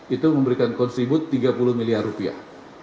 itu memberikan kontribut tiga puluh miliar rupiah